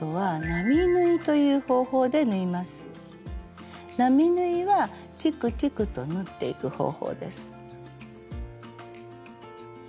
並縫いはチクチクと縫っていく方法です。